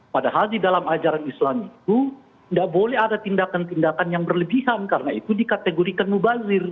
padahal di dalam ajaran islam itu tidak boleh ada tindakan tindakan yang berlebihan karena itu dikategorikan mubazir